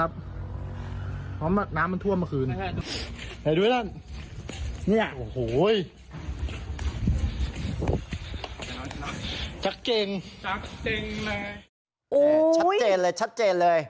ชัดเจนเลยชัดเจนเลย